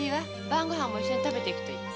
晩ご飯も一緒に食べていくといい。